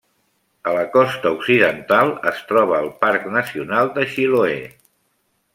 A la costa occidental es troba el Parc Nacional de Chiloé.